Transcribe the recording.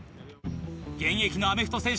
現役のアメフト選手